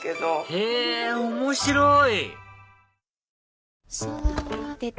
へぇ面白い！